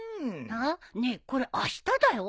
あっねえこれあしただよ。